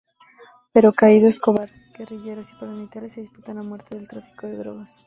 Pero caído Escobar, guerrilleros y paramilitares se disputan a muerte el tráfico de drogas.